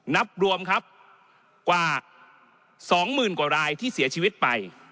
นับรวมครับกว่า๒๐๐๐กว่ารายที่เสียชีวิตไป